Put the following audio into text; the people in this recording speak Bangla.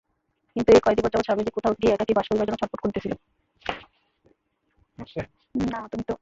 কিন্তু এই কয় দিবস যাবৎ স্বামীজী কোথাও গিয়া একাকী বাস করিবার জন্য ছটফট করিতেছিলেন।